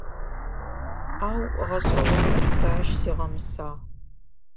Ау, гъэшӏэгъоныр, сэ ащ сигъэмысагъ.